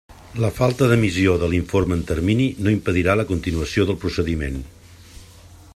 La falta d'emissió de l'informe en termini no impedirà la continuació del procediment.